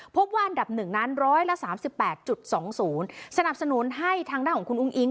พบว่าอันดับหนึ่งนานร้อยละสามสิบแปดจุดสองศูนย์สนับสนุนให้ทางด้านของคุณอุ้งอิง